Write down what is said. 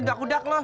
dak udak lo